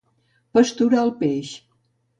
Pasturar el peix.